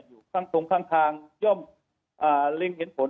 อยู่ตรงข้างย่อมเล็งเห็นผล